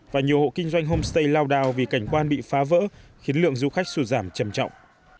và nhiều hộ kinh doanh homestay lao đao vì cảnh quan bị phá vỡ khiến lượng du khách sụt giảm chầm trọng